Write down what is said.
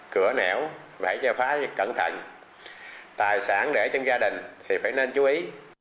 cửa nẻo lấy cho phá cẩn thận tài sản để trong gia đình thì phải nên chú ý